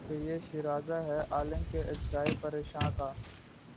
کہ یہ شیرازہ ہے عالم کے اجزائے پریشاں کا